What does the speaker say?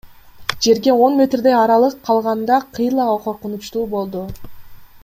Жерге он метрдей аралык калганда кыйла коркунучтуу болду.